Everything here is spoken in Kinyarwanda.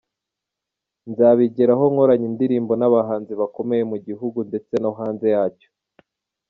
Nzabigeraho nkoranye indirimbo n'abahanzi bakomeye mu gihugu ndetse no hanze yacyo.